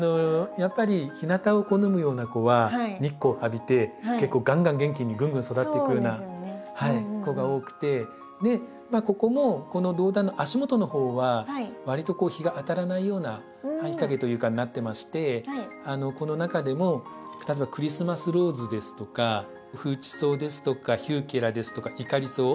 やっぱり日なたを好むような子は日光を浴びて結構がんがん元気にぐんぐん育っていくような子が多くてここもこのドウダンの足元の方はわりと日が当たらないような半日陰というかになってましてこの中でも例えばクリスマスローズですとかフウチソウですとかヒューケラですとかイカリソウ